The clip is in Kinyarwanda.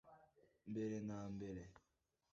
mbere na mbere